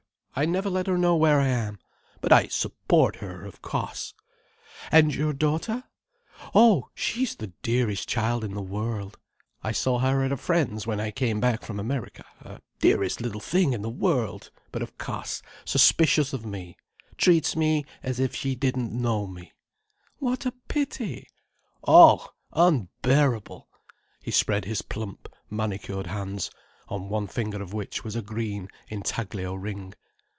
I never let her know where I am! But I support her, of cauce." "And your daughter?" "Oh, she's the dearest child in the world. I saw her at a friend's when I came back from America. Dearest little thing in the world. But of cauce suspicious of me. Treats me as if she didn't know me—" "What a pity!" "Oh—unbearable!" He spread his plump, manicured hands, on one finger of which was a green intaglio ring.